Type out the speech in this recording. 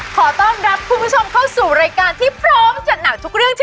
พร้อมปรากทุกปัญหาและปัจจนาคกับทุกเรื่องวน